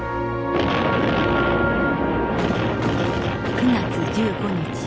９月１５日。